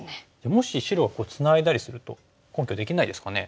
もし白がツナいだりすると根拠できないですかね。